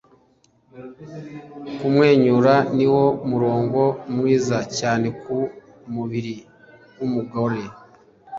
Kumwenyura niwo murongo mwiza cyane ku mubiri wumugore